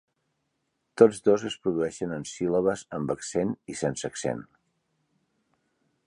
Tots dos es produeixen en síl·labes amb accent i sense accent.